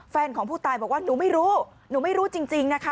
แฟนของผู้ตายบอกว่าหนูไม่รู้หนูไม่รู้จริงนะคะ